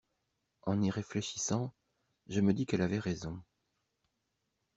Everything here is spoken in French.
En y réfléchissant, je me dis qu'elle avait raison.